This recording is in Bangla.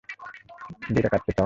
যেটা কাটতে চাও।